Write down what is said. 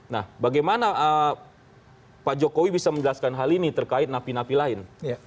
nah bagaimana pak jokowi bisa menjelaskan hal ini terkait napi napi lain